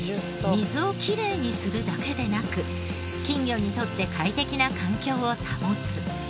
水をきれいにするだけでなく金魚にとって快適な環境を保つ。